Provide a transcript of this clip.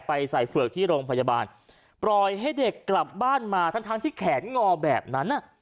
ใส่เฝือกที่โรงพยาบาลปล่อยให้เด็กกลับบ้านมาทั้งทั้งที่แขนงอแบบนั้น